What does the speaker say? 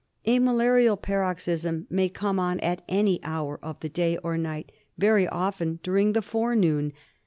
A malarial paroxysm may come on at any hour of the day or night, very often during the forenoon.